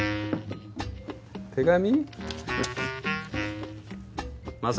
手紙？